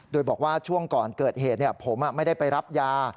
โดยบอกว่าช่วงก่อนเกิดเหตุผมไม่ได้ไปรับยา